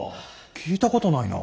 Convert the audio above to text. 聞いたことないな。